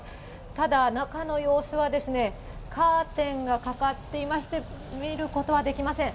ただ、中の様子はカーテンがかかっていまして、見ることはできません。